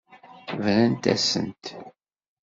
Brant-asent.